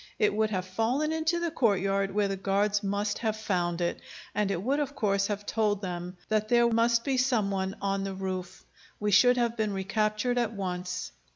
It would have fallen into the courtyard, where the guards must have found it, and it would of course have told them that there must be some one on the roof. We should have been recaptured at once."